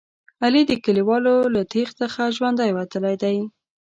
علي د کلیوالو له تېغ څخه ژوندی وتلی دی.